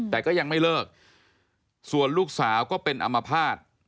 แต่ก็ยังไม่เลิกส่วนลูกสาวก็เป็นอมภาษณ์